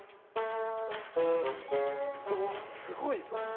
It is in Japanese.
うわっすごいぞ。